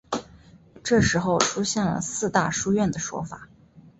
这时候出现了四大书院的说法。